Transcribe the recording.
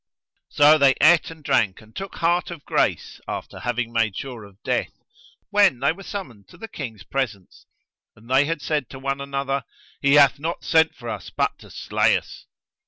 So they ate and drank and took heart of grace, after having made sure of death, when they were summoned to the King's presence; and they had said to one another, "He hath not sent for us but to slay us."